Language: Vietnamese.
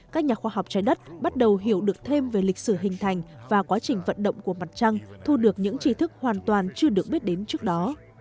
các nhà khoa học trái đất bắt đầu hiểu được thêm về lịch sử hình thành và quá trình vận động của mặt trăng thu được những trí thức hoàn toàn chưa được biết đến trước đó